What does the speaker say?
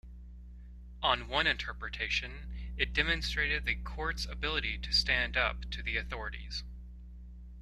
On one interpretation, it demonstrated the courts' ability to stand up to the authorities.